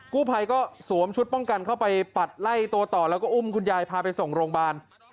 กู้ภัยก็สวมชุดป้องกันเข้าไปปัดไล่ตัวต่อแล้วก็อุ้มคุณยายพาไปส่งโรงพยาบาล